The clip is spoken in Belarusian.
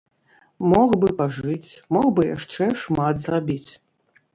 Мог бы пажыць, мог бы яшчэ шмат зрабіць.